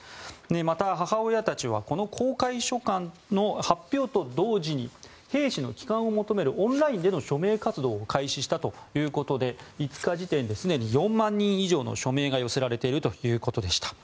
また、母親たちは公開書簡の発表と同時に兵士の帰還を求めるオンラインでの署名活動を開始したということで５日時点ですでに４万人以上の署名が寄せられているということでした。